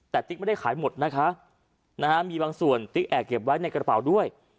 แต่ติ๊กไม่ได้ขายหมดนะคะมีบางส่วนติ๊กแอบเก็บไว้ในกระเป๋าด้วย